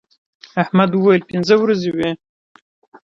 احمد وويل: پینځه ورځې وې.